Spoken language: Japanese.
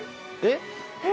えっ。